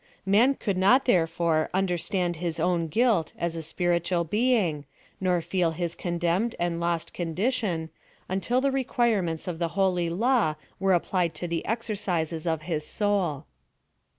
Man could not, therefore, understand his own guilt, as a spiritual being, nor feel his condemned and lost condition, until the requirements of the holy law were applied to the exercises of his soul.